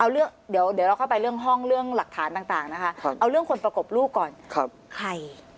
เอาเดี๋ยวเราเข้าไปเรื่องห้องเรื่องหลักฐานต่างนะคะเอาเรื่องคนประกบลูกก่อนใคร